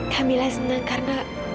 kak mila senang karena